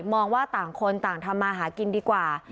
มองว่าต่างคนต่างทำมาหากินดีกว่า